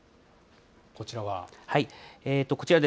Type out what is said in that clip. こちらは。